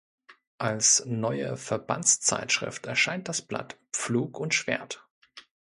Als neue Verbandszeitschrift erscheint das Blatt "Pflug und Schwert".